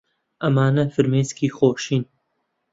ئەمانە فرمێسکی خۆشین.